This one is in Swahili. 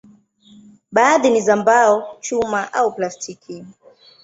Baadhi ni za mbao, chuma au plastiki.